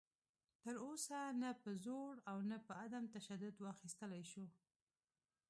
تر اوسه نه په زور او نه په عدم تشدد واخیستلی شو